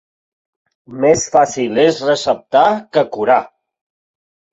Més fàcil és receptar que curar.